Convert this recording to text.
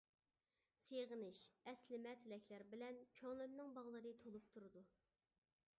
سېغىنىش، ئەسلىمە، تىلەكلەر بىلەن، كۆڭلۈمنىڭ باغلىرى تولۇپ تۇرىدۇ.